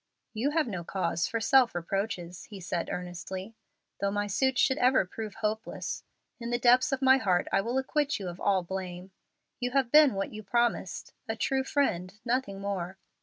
"You have no cause for self reproaches," he said, earnestly. "Though my suit should ever prove hopeless, in the depths of my heart I will acquit you of all blame. You have been what you promised a true friend, nothing more.